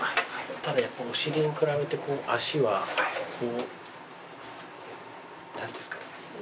ただやっぱりお尻に比べて足はこうなんていうんですかね。